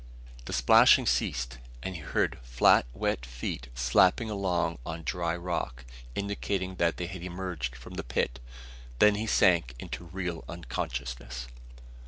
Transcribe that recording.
The splashing ceased, and he heard flat wet feet slapping along on dry rock, indicating that they had emerged from the pit. Then he sank into real unconsciousness.